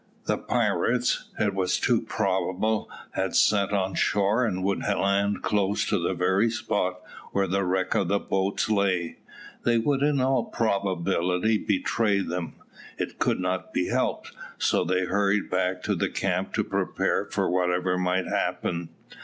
The pirates, it was too probable, had sent on shore, and would land close to the very spot where the wreck of the boats lay. They would in all probability betray them. It could not be helped, so they hurried back to the camp to prepare for whatever might happen.